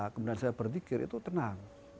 kemudian saya berpikir itu tenang